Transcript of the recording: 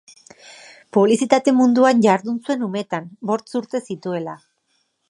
Publizitate munduan jardun zuen umetan, bost urte zituela.